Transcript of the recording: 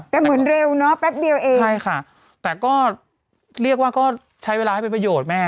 เหมือนเร็วเนอะแป๊บเดียวเองใช่ค่ะแต่ก็เรียกว่าก็ใช้เวลาให้เป็นประโยชน์แม่